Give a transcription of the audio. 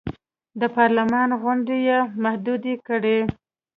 د پارلمان غونډې یې محدودې کړې.